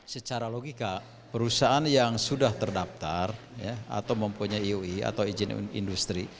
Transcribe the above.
secara logika perusahaan yang sudah terdaftar atau mempunyai iui atau izin industri